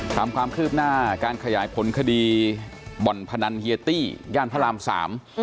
ความคืบหน้าการขยายผลคดีบ่อนพนันเฮียตี้ย่านพระรามสาม